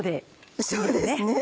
そうですね。